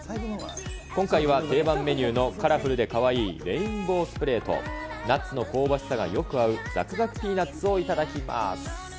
今回は定番メニューのカラフルでかわいいレインボースプレーと、ナッツの香ばしさがよく合う、ざくざくピーナッツを頂きます。